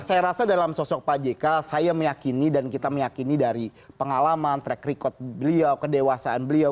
saya rasa dalam sosok pak jk saya meyakini dan kita meyakini dari pengalaman track record beliau kedewasaan beliau